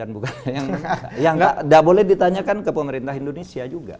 tidak boleh ditanyakan ke pemerintah indonesia juga